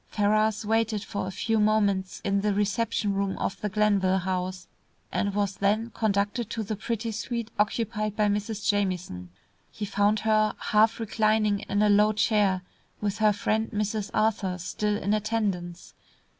Ferrars waited for a few moments in the reception room of the Glenville House, and was then conducted to the pretty suite occupied by Mrs. Jamieson. He found her half reclining in a long, low chair, with her friend, Mrs. Arthur, still in attendance.